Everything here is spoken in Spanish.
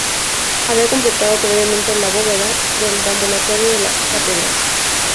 Había completado previamente la bóveda del deambulatorio de la catedral.